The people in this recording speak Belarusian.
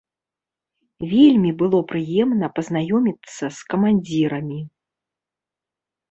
Вельмі было прыемна пазнаёміцца з камандзірамі.